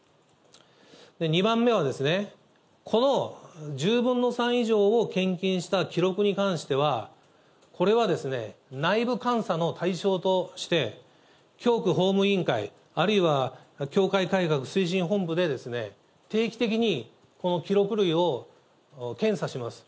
２番目は、この１０分の３以上を献金した記録に関しては、これは内部監査の対象として、教区法務委員会、あるいは教会改革推進本部で定期的にこの記録類を検査します。